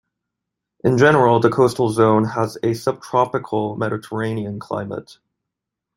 In general, the coastal zone has a subtropical Mediterranean climate.